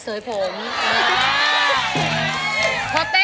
พอเสยงผมอ่า